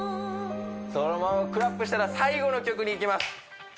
そのままクラップしたら最後の曲にいきます